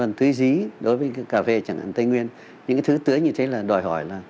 còn tưới dí đối với cà phê chẳng hạn tây nguyên những thứ tưới như thế là đòi hỏi